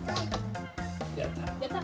やった！